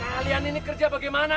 kalian ini kerja bagaimana